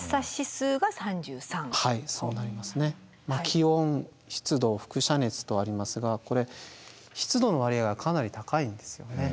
気温湿度輻射熱とありますがこれ湿度の割合がかなり高いんですよね。